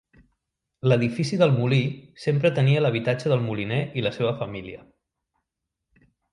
L'edifici del molí sempre tenia l'habitatge del moliner i la seva família.